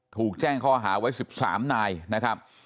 ถูกแจ้งข้อหาไว้๑๓นายนะครับ